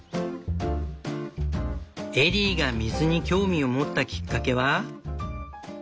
エリーが水に興味を持ったきっかけは。